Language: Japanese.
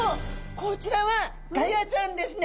こちらはガヤちゃんですね。